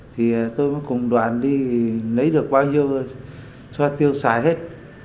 thì tôi mới cùng đoàn đi lấy được bao nhiêu cho tiêu xài hết